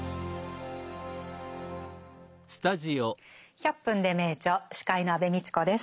「１００分ｄｅ名著」司会の安部みちこです。